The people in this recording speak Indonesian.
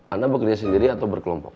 anda bekerja sendiri atau berkelompok